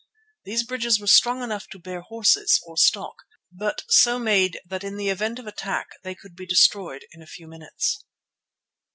These bridges were strong enough to bear horses or stock, but so made that in the event of attack they could be destroyed in a few minutes.